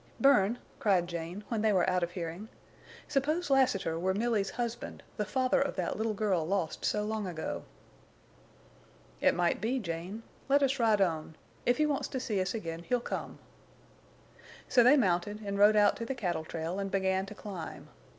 "Bern!" cried Jane, when they were out of hearing. "Suppose Lassiter were Milly's husband—the father of that little girl lost so long ago!" "It might be, Jane. Let us ride on. If he wants to see us again he'll come." So they mounted and rode out to the cattle trail and began to climb.